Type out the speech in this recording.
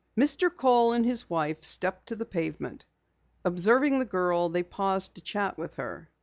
Mr. Kohl and his wife stepped to the pavement. Observing the girl, they paused to chat with her.